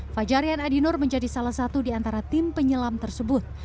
fajarian adinur menjadi salah satu di antara tim penyelam tersebut